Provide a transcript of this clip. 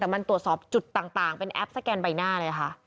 แต่มันตรวจสอบจุดต่างเป็นแอปสแกนใบหน้าเลยค่ะ